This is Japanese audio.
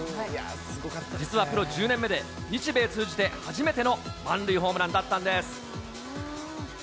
実はプロ１０年目で、日米通じて初めての満塁ホームランだったんです。